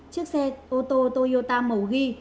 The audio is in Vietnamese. chiếc xe ô tô toyota màu ghi